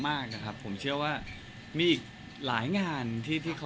ครอบครัวมีน้องเลยก็คงจะอยู่บ้านแล้วก็เลี้ยงลูกให้ดีที่สุดค่ะ